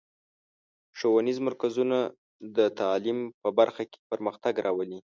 ښوونیز مرکزونه د تعلیم په برخه کې پرمختګ راولي.